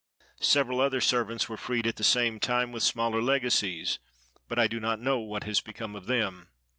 Several other servants were freed at the same time, with smaller legacies, but I do not know what has become of them.